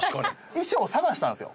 衣装探したんですよ。